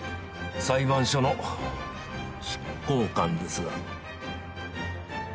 「裁判所の執行官ですが」